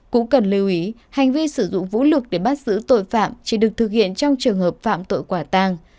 cũng cần lưu ý hành vi sử dụng vũ lực để bắt giữ tội phạm chỉ được thực hiện trong trường hợp phạm tội quả tàng